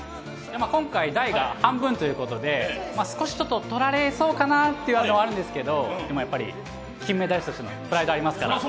今回、台が半分ということで少し取られそうかなというのがあるんですがでも、金メダリストですので、プライドがありますから。